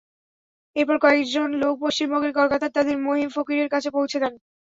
এরপর কয়েকজন লোক পশ্চিমবঙ্গের কলকাতায় তাঁদের মহিম ফকিরের কাছে পৌঁছে দেন।